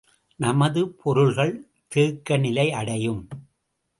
நமது பொருள்கள் தேக்க நிலை அடையும்.